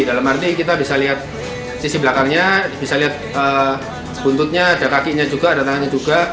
dalam arti kita bisa lihat sisi belakangnya bisa lihat buntutnya ada kakinya juga ada tangannya juga